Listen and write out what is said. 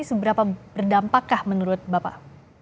seberapa berdampakkah menurut bapak